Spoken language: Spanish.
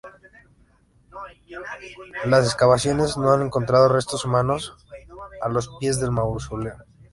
Las excavaciones no han encontrado restos humanos a los pies del mausoleo.